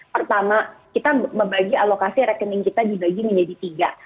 pertama kita membagi alokasi rekening kita dibagi menjadi tiga